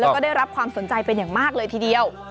แล้วก็ได้รับความสนใจเป็นอย่างมากเลยทีเดียว